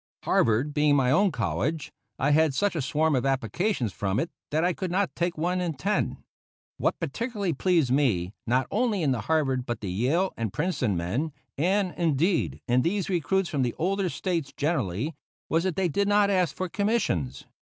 Harvard being my own college, I had such a swarm of applications from it that I could not take one in ten. What particularly pleased me, not only in the Harvard but the Yale and Princeton men, and, indeed, in these recruits from the older States generally, was that they did not ask for commissions.